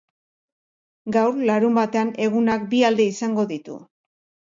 Gaur, larunbatean, egunak bi alde izango ditu.